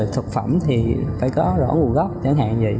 thực phẩm thì phải có rõ nguồn năng